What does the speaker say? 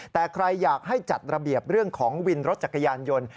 แต่ใครอยากให้จัดระเบียบเรื่องของวินรถจักรยานยนต์